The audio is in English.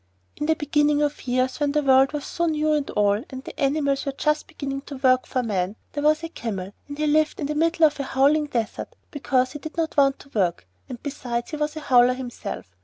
In the beginning of years, when the world was so new and all, and the Animals were just beginning to work for Man, there was a Camel, and he lived in the middle of a Howling Desert because he did not want to work; and besides, he was a Howler himself.